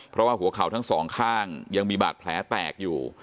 เพราะว่าหัวเข่าทั้งสองข้างยังมีบาดแผลแตกอยู่